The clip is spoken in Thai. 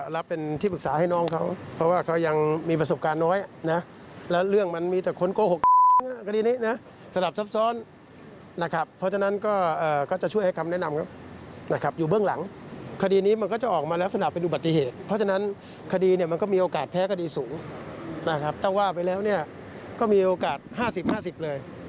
แล้วก็ดีสูงต้องว่าไปแล้วก็มีโอกาส๕๐๕๐เลย